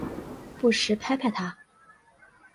不时拍拍她